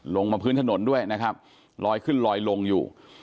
ลงมาพื้นถนนด้วยนะครับลอยขึ้นลอยลงอยู่